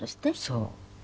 そう。